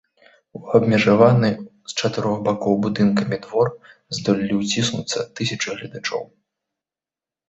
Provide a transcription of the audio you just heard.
У абмежаваны з чатырох бакоў будынкамі двор здолелі ўціснуцца тысячы гледачоў.